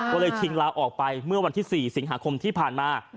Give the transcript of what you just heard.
ก็เลยชิงลาออกไปเมื่อวันที่๔สิงหาคมที่ผ่านมา